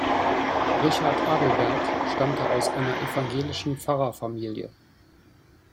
Richard Adelbert stammte aus einer evangelischen Pfarrerfamilie.